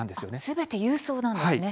すべて郵送なんですね。